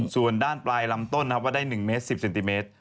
ส่วนด้านปลายลำต้นนะครับว่าได้๑เมตร๑๐เซนติเมตร